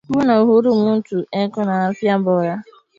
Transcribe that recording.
Kuwa na uhuru mutu eko na afya bora